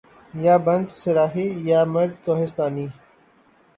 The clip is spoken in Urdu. یا بندہ صحرائی یا مرد کہستانی